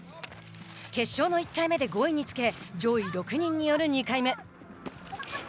決勝１回目で５位につけ上位６人による２回目。